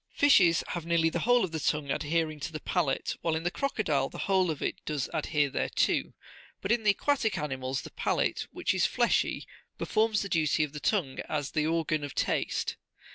Fishes have nearly the whole of the tongue adhering to the palate, while in the crocodile the whole of it does adhere thereto : but in the aquatic animals the palate, which is fleshy, performs the duty of the tongue as the organ of taste.